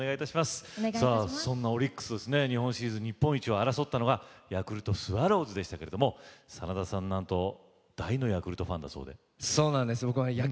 そんなオリックス日本シリーズの日本一を争ったのがヤクルトスワローズでしたけれど真田さん、なんと大のヤクルトファンということで。